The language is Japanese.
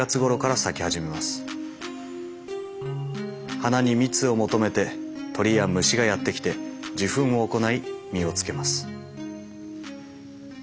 花に蜜を求めて鳥や虫がやって来て受粉を行い実をつけます。